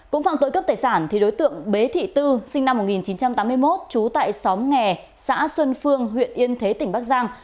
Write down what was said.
cũng phạm tội cướp tài sản đối tượng bế thị tư sinh năm một nghìn chín trăm tám mươi một trú tại xóm nghè xã xuân phương huyện yên thế tỉnh bắc giang